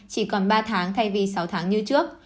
chỉ còn ba tháng thay vì sáu tháng như trước